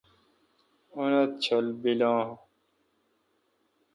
انت چل بیل ان